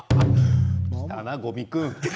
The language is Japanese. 来たな、五味君。